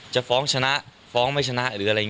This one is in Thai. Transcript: จะฟ้องชนะฟ้องไม่ชนะ